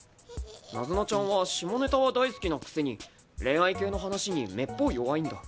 ナズナちゃんは下ネタは大好きなくせに恋愛系の話にめっぽう弱いんだ。